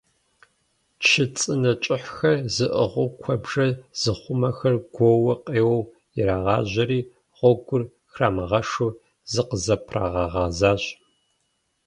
Чы цӀынэ кӀыхьхэр зыӀыгъыу куэбжэр зыхъумэхэр гуоууэ къеуэу ирагъажьэри, гъуэгур храмыгъэшу зыкъызэпрагъэгъэзащ.